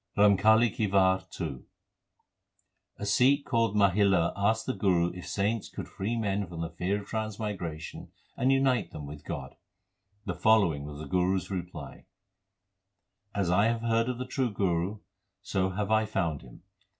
RAMKALI KI WAR II A Sikh called Mahila asked the Guru if saints could free men from the fear of transmigration and unite them with God. The following was the Guru s reply : As I have heard of the true Guru, so have I found him.